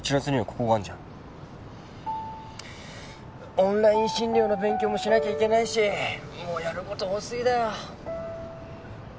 オンライン診療の勉強もしなきゃいけないしもうやる事多すぎだよ。